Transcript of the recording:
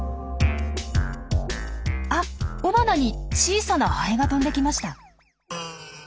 あっ雄花に小さなハエが飛んできました。